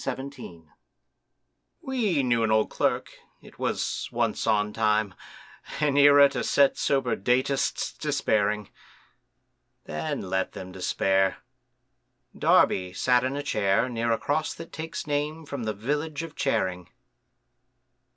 THE OLD CLERK We knew an old Clerk, it was "once on time," An era to set sober datists despairing; Then let them despair!—Darby sat in a chair Near a cross that takes name from the village of Charing.